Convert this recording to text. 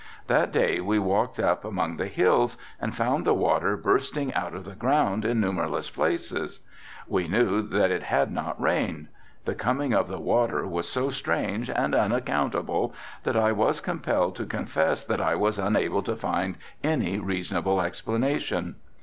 That day we walked up among the hills and found the water bursting out of the ground in numberless places. We knew that it had not rained. The coming of the water was so strange and unaccountable that I was compelled to confess that I was unable to find any reasonable explanation.